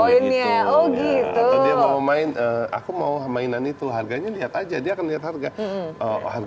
ya oh gitu dia mau main aku mau mainan itu harganya lihat aja dia tadi harganya seginian ini harus